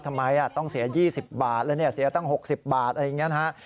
ทำไมต้องเสีย๒๐บาทแล้วเนี่ยเสียตั้ง๖๐บาทอะไรอย่างนี้นะฮะ